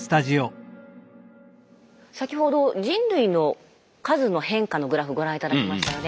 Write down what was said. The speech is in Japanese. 先ほど人類の数の変化のグラフご覧頂きましたよね。